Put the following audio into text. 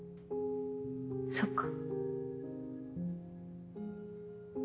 そっか。